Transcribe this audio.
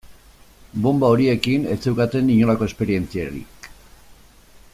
Bonba horiekin ez zeukaten inolako esperientziarik.